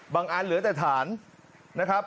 อันเหลือแต่ฐานนะครับ